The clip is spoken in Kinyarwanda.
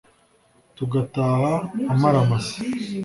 Tugataha amara masa